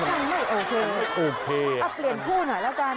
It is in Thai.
เปลี่ยนคู่หน่อยแล้วกัน